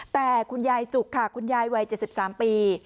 แต่คุณยายจุกค่ะคุณยายวัยเจ็ดสิบสามปี